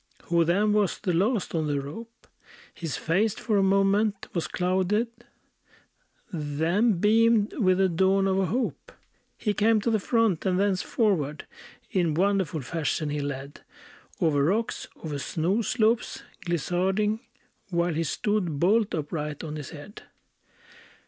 Who then was the last on the rope; His face for a moment was clouded, Then beamed with the dawn of a hope; He came to the front, and thence forward In wonderful fashion he led, Over rocks, over snow slopes glissading, While he stood, bolt upright on his head!